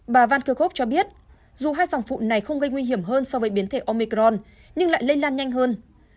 bà vankerv cho biết dù hai dòng phụ này không gây nguy hiểm hơn so với biến thể omicron nhưng lại lây lan nhanh hơn